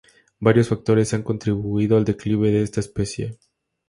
Varios factores han contribuido al declive de esta especie.